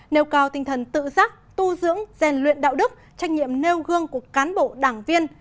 nêu cao tinh thần tự giác tu dưỡng rèn luyện đạo đức trách nhiệm nêu gương của cán bộ đảng viên